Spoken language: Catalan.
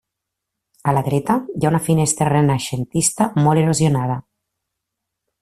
A la dreta hi ha una finestra renaixentista molt erosionada.